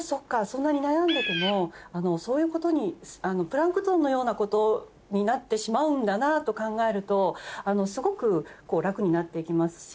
そんなに悩んでてもプランクトンのようなことになってしまうんだなと考えるとすごく楽になって行きますし。